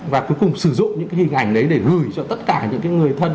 và cuối cùng sử dụng những cái hình ảnh đấy để gửi cho tất cả những người thân